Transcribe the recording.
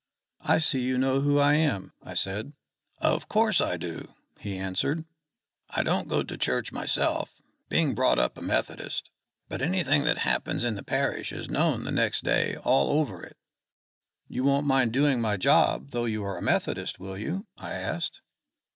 "I see you know who I am," I said. "Of course I do," he answered. "I don't go to church myself, being brought up a Methodist; but anything that happens in the parish is known the next day all over it." "You won't mind doing my job though you are a Methodist, will you?" I asked.